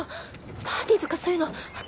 パーティーとかそういうの私。